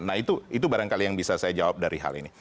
nah itu barangkali yang bisa saya jawab dari hal ini